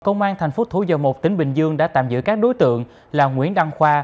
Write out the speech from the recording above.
công an thành phố thủ dầu một tỉnh bình dương đã tạm giữ các đối tượng là nguyễn đăng khoa